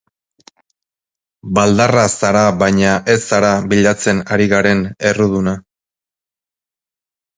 Baldarra zara baina ez zara bilatzen ari garen erruduna.